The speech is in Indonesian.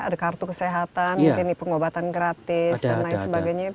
ada kartu kesehatan mungkin pengobatan gratis dan lain sebagainya